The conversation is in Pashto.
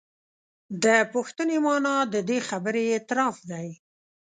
د پوښتنې معنا د دې خبرې اعتراف دی.